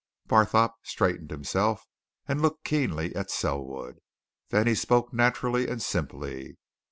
Barthorpe straightened himself and looked keenly at Selwood. Then he spoke naturally and simply.